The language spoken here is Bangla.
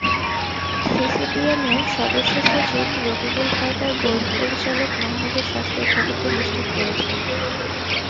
সিসিডিএমের সদস্যসচিব রকিবুল হায়দার বোর্ড পরিচালক মাহমুদের শাস্তির খবরটি নিশ্চিত করেছেন।